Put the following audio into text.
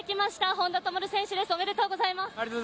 本多灯選手ですおめでとうございます。